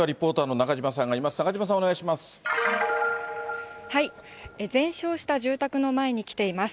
中島さん、お願いします。